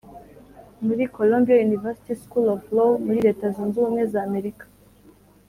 muri Columbia University School of Law muri Leta zunze Ubumwe za Amerika